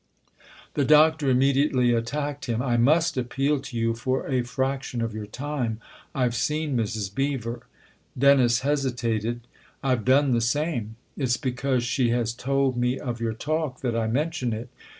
The Doctor immediately attacked him. " I must appeal to you for a fraction of your time. I've seen Mrs. Beever." Dennis hesitated. " I've done the same." " It's because she has told me of your talk that I mention it.